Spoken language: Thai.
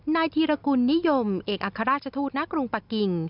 นายธีรกุลนิยมเอกอัครราชทูตณกรุงปะกิ่ง